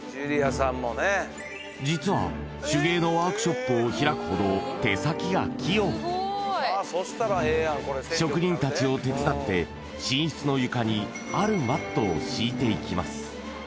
実は手芸のワークショップを開くほど手先が器用職人たちを手伝って寝室の床にあるマットを敷いていきます